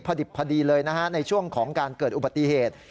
พอดิบพอดีเลยนะฮะในช่วงของการเกิดอุบัติเหตุ